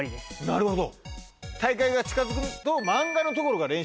なるほど。